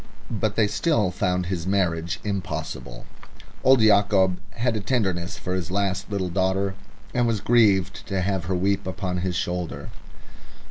But they still found his marriage impossible. Old Yacob had a tenderness for his last little daughter, and was grieved to have her weep upon his shoulder.